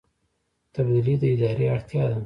تبدیلي د ادارې اړتیا ده